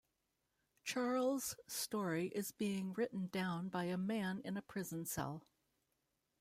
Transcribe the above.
Charles' story is being written down by a man in a prison cell.